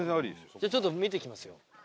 じゃあちょっと見てきますよ。